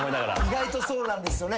意外とそうなんですよね。